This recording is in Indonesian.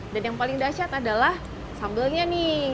dan yang paling dasyat adalah sambelnya nih